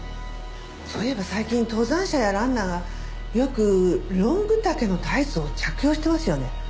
そういえば最近登山者やランナーがよくロング丈のタイツを着用してますよね。